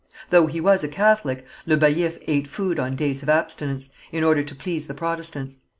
Though he was a Catholic, Le Baillif ate food on days of abstinence, in order to please the Protestants.